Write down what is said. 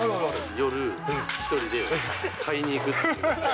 夜、１人で買いに行くっていう。